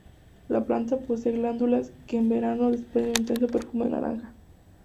La planta posee glándulas que en verano desprende un intenso perfume a naranja.